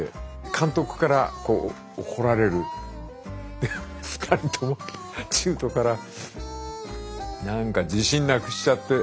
で２人とも中途から何か自信なくしちゃって。